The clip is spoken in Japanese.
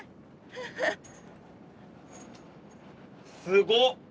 すごっ！